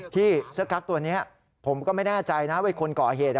พี่เสื้อกั๊กตัวนี้ผมก็ไม่แน่ใจนะว่าคนก่อเหตุ